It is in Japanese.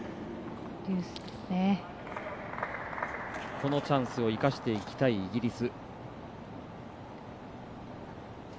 このチャンスを生かしていきたいイギリス。